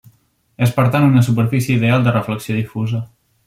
És per tant una superfície ideal de reflexió difusa.